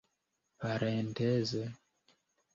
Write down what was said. parenteze